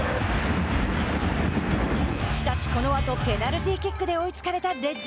しかし、このあとペナルティーキックで追いつかれたレッズ。